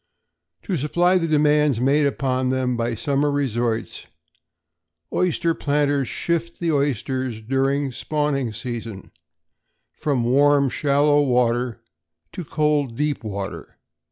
To supply the demands made upon them by summer resorts, oyster planters shift the oysters, during the spawning season, from warm shallow water to cold deep water.